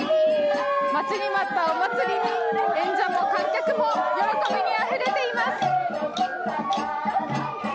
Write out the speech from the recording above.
待ちに待ったお祭りに演者も観客も喜びにあふれています。